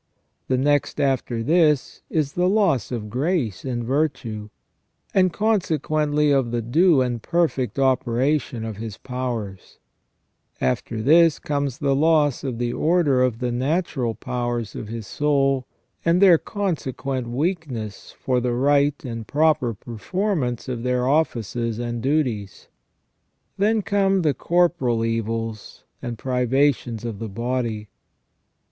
The next after this is the loss of grace and virtue, and consequently of the due and perfect operation of his powers. After this comes the loss of the order of the natural powers of his soul, and their consequent weakness for the right and proper performance of their offices * S. Thoma, Sum., p. i, q. 48, a. 6. 16 242 ON PENAL EVIL OR PUNISHMENT. and duties. Then come the corporal evils and privations of the body.